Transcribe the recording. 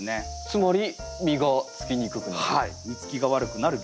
つまり実がつきにくくなる。